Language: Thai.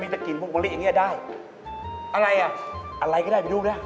นี่ตามแบบนี้เอ้าตามแบบไหนถูกว่ะ